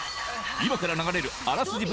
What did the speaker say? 今から流れるあらすじ